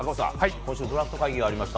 今週ドラフト会議がありました。